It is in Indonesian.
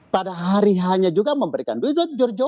pada hari hanya juga memberikan duit jujur